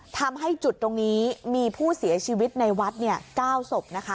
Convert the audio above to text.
ทำให้จุดตรงนี้มีผู้เสียชีวิตในวัด๙ศพนะคะ